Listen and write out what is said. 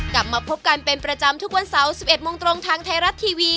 กลับมาพบกันเป็นประจำทุกวันเสาร์๑๑โมงตรงทางไทยรัฐทีวี